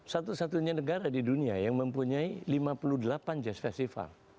satu satunya negara di dunia yang mempunyai lima puluh delapan jazz festival